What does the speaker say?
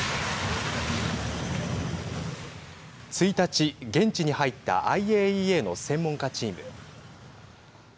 １日、現地に入ったＩＡＥＡの専門家チーム。